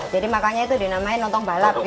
jadi makanya itu dinamai lontong balap gitu